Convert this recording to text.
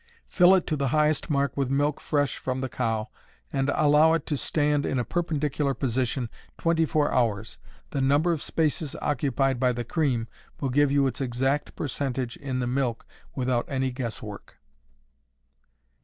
Fill it to the highest mark with milk fresh from the cow, and allow it to stand in a perpendicular position twenty four hours. The number of spaces occupied by the cream will give you its exact percentage in the milk without any guess work.